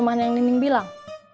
jalan dengan dengan